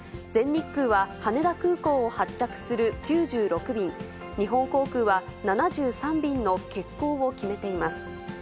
全日空は、羽田空港を発着する９６便、日本航空は、７３便の欠航を決めています。